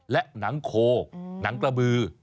และหนังโคหนังกระบือ